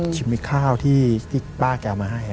ชิมให้มาข้าวที่ป้าก็มาให้